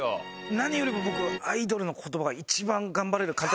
何よりも僕アイドルの言葉が一番頑張れる糧になってるので。